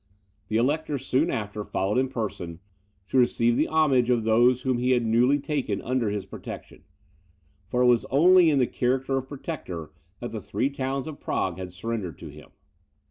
The Elector soon after followed in person, to receive the homage of those whom he had newly taken under his protection; for it was only in the character of protector that the three towns of Prague had surrendered to him.